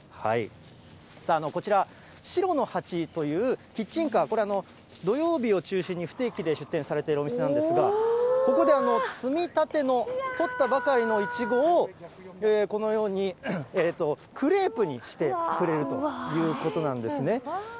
こちら、しろのはち。というキッチンカー、これ、土曜日を中心に不定期で出店されているお店なんですが、ここで摘みたての、取ったばかりのイチゴを、このようにクレープにしてくれるということなんですね。